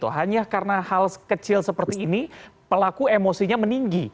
hanya karena hal kecil seperti ini pelaku emosinya meninggi